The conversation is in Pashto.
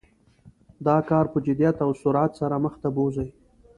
دا کار په جدیت او سرعت سره مخ ته بوزي.